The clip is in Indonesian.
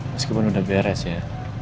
meskipun sudah beres ya